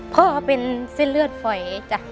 พ่อเป็นเส้นเลือดฝอยจ้ะ